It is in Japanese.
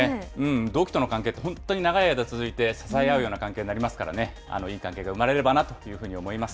同期との関係って本当に長い間続いて、支え合うような関係になりますからね、いい関係が生まれればなというふうに思います。